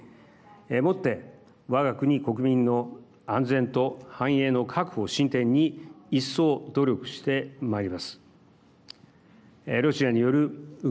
もって、わが国国民の安全と繁栄の核を進展に一層努力してまいります。